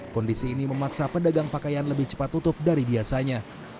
kondisi ini memaksa pedagang pakaian lebih cepat tutup dari biasanya